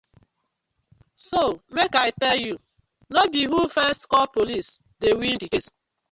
See mek I tell you be who first call Police dey win the case,